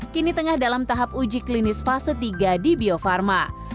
kini tengah dalam tahap uji klinis fase tiga di bio farma